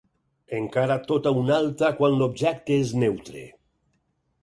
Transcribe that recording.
Encara tota una altra quan l'objecte és neutre.